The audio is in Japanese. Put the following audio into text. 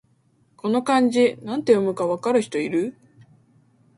この漢字、なんて読むか分かる人いる？